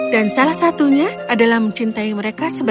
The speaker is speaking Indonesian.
dan salah satunya adalah mencintai mereka sebagai anak sendiri